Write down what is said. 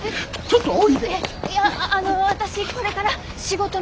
いやあの私これから仕事の面接が。